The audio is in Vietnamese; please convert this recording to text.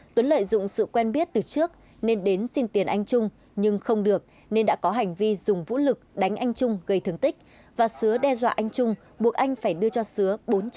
tuấn lợi dụng sự quen biết từ trước nên đến xin tiền anh trung nhưng không được nên đã có hành vi dùng vũ lực đánh anh trung gây thương tích và xứa đe dọa anh trung buộc anh phải đưa cho sứa bốn trăm linh